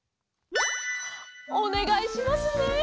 おねがいしますね。